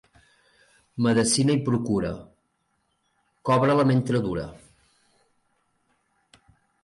Medecina i procura, cobra-la mentre dura.